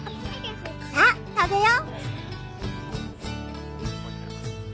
さあ食べよ！